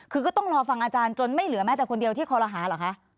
คือก็ต้องรอฟังอาจารย์จนไม่เหลือแม้แต่คนเดียวที่คอรหาเหรอคะ